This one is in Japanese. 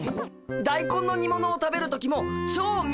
大根の煮物を食べる時も超みやびっすかね。